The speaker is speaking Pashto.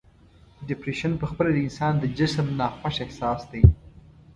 ډپریشن په خپله د انسان د جسم ناخوښ احساس دی.